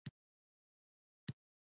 لاییک نظامونه دنیوي کامیابۍ حاصلې کړي.